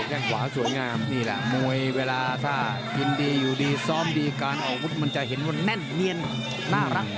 แค่งขวาสวยงามนี่แหละมวยเวลาถ้ากินดีอยู่ดีซ้อมดีการออกอาวุธมันจะเห็นว่าแน่นเนียนน่ารัก